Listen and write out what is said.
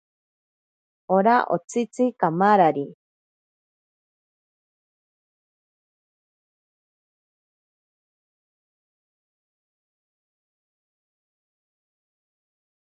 Ora otsitzi kamarari.